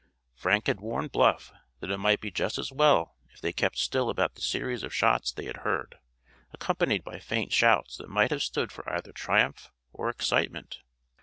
Frank had warned Bluff that it might be just as well if they kept still about the series of shots they had heard, accompanied by faint shouts that might have stood for either triumph or excitement.